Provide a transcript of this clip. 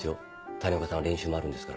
谷岡さんは練習もあるんですから。